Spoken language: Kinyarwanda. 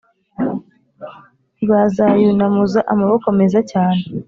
ntibazayunamuza amaboko meza cyane